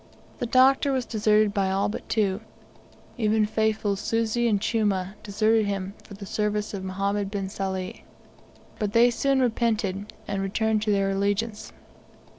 The Doctor was deserted by all but two, even faithful Susi and Chumah deserted him for the service of Mohammed bin Sali. But they soon repented, and returned to their allegiance.